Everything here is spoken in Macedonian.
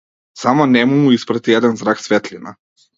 Само нему му испрати еден зрак светлина.